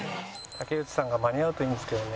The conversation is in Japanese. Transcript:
竹内さんが間に合うといいんですけどね。